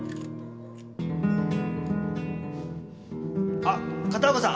あっ片岡さん。